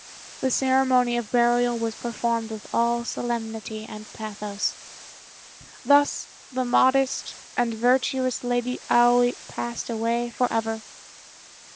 The ceremony of burial was performed with all solemnity and pathos. Thus the modest and virtuous Lady Aoi passed away forever.